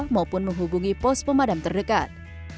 maupun menghubungi pos pemadam terdekat